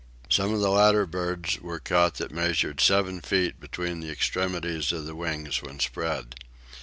Some of the latter birds were caught that measured seven feet between the extremities of the wings when spread.